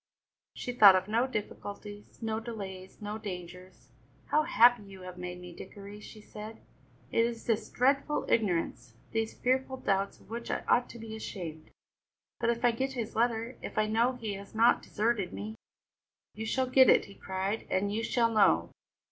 She thought of no difficulties, no delays, no dangers. "How happy you have made me, Dickory!" she said. "It is this dreadful ignorance, these fearful doubts of which I ought to be ashamed. But if I get his letter, if I know he has not deserted me!" "You shall get it," he cried, "and you shall know."